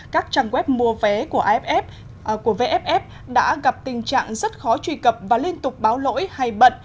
các trang web mua vé của iff của vff đã gặp tình trạng rất khó truy cập và liên tục báo lỗi hay bận